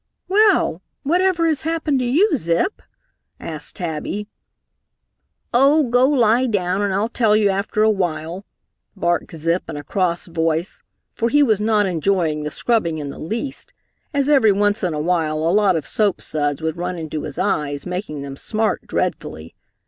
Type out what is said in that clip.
"Well, whatever has happened to you, Zip?" asked Tabby. "Oh, go lie down and I'll tell you after awhile," barked Zip in a cross voice, for he was not enjoying the scrubbing in the least, as every once in a while a lot of soapsuds would run into his eyes, making them smart dreadfully.